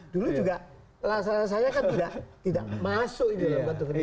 dulu juga rasanya kan tidak masuk ke wilayah wilayah itu